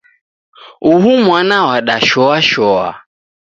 Uhu mwana wadashoashoa